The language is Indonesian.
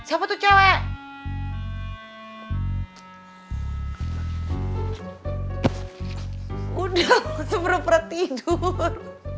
ada deh pak masuk perak perak tidur